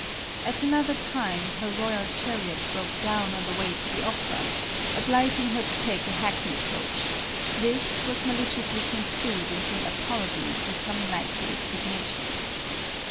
At another time, her royal chariot broke down on the way to the opera, obliging her to take a hackney coach ; this was maliciously construed into an apology for some nightly assignation.